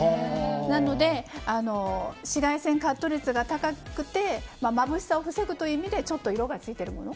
なので、紫外線カット率が高くてまぶしさを防ぐという意味でちょっと色がついているもの